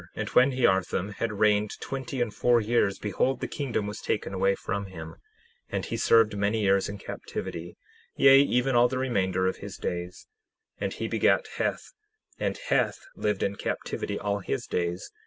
And when Hearthom had reigned twenty and four years, behold, the kingdom was taken away from him. And he served many years in captivity, yea, even all the remainder of his days. 10:31 And he begat Heth, and Heth lived in captivity all his days.